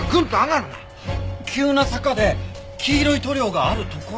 急な坂で黄色い塗料がある所。